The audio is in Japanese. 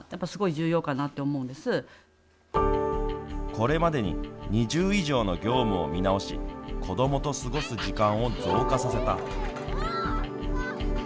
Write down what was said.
これまでに２０以上の業務を見直し子どもと過ごす時間を増加させた。